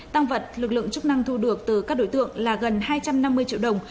tăng vật lực lượng chức năng thu được từ các đối tượng là gần hai trăm năm mươi triệu đồng